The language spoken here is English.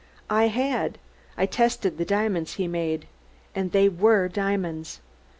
I had; I tested the diamonds he made _and they were diamonds!